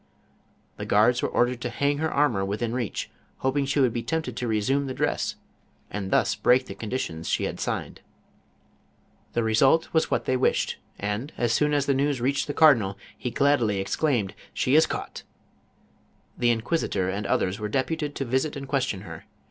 The guards were ordered to hang her armor within reach, hoping she Avould be tempted to. resume the dress, and thus break the conditions she had sigtted. The result was what they wished, and, as soon as the news reached the cardinal, he gladly exclaimed, " She is caught P The inquisitor and others were deputed to visit and question her.